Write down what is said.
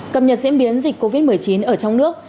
cập nhật diễn biến dịch covid một mươi chín ở trong nước